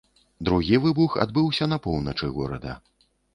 Другі выбух адбыўся на поўначы горада.